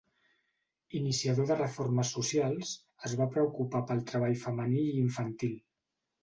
Iniciador de reformes socials, es va preocupar pel treball femení i infantil.